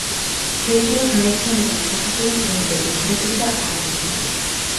შეიცვალა გაერთიანებული საქართველოს დროინდელი მანდატური და არგნოსანი.